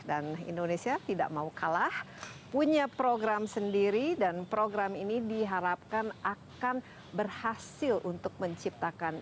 dan indonesia tidak mau kalah punya program sendiri dan program ini diharapkan akan berhasil untuk menciptakan